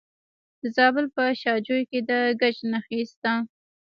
د زابل په شاجوی کې د ګچ نښې شته.